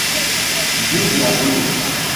Vi, blagulo!